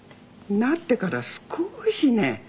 なってから少しね